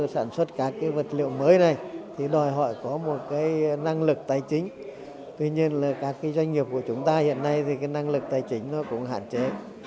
sản xuất các vật liệu mới này đòi hỏi có một năng lực tài chính tuy nhiên các doanh nghiệp của chúng ta hiện nay năng lực tài chính cũng hạn chế